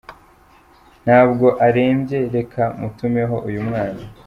Ntabwo arembye reka mutumeho uyu mwana.